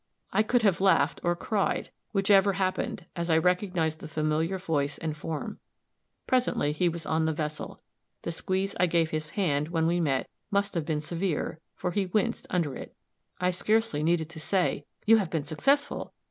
I could have laughed or cried, whichever happened, as I recognized the familiar voice and form. Presently he was on the vessel. The squeeze I gave his hand, when we met, must have been severe, for he winced under it. I scarcely needed to say "You have been successful!"